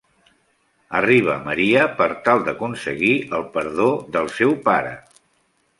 Arriba Maria per tal d'aconseguir el perdó del seu pare.